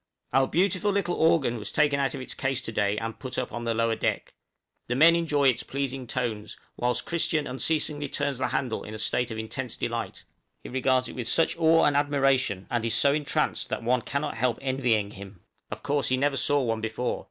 Our beautiful little organ was taken out of its case to day, and put up on the lower deck; the men enjoy its pleasing tones, whilst Christian unceasingly turns the handle in a state of intense delight; he regards it with such awe and admiration, and is so entranced, that one cannot help envying him; of course he never saw one before.